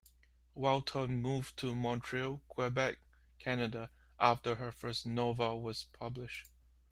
Walton moved to Montreal, Quebec, Canada, after her first novel was published.